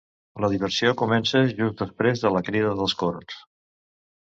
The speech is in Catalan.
La diversió comença just després de la crida dels corns.